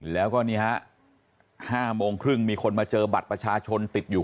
แล้วก็นี่ฮะ๕โมงครึ่งมีคนมาเจอบัตรประชาชนติดอยู่